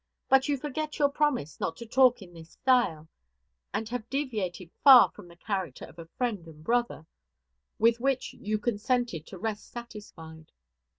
But you forget your promise not to talk in this style, and have deviated far from the character of a friend and brother, with, which you consented to rest satisfied."